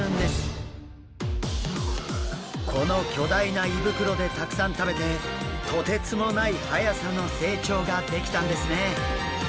この巨大な胃袋でたくさん食べてとてつもないはやさの成長ができたんですね。